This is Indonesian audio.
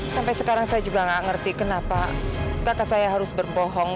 sampai sekarang saya juga nggak ngerti kenapa kakak saya harus berbohong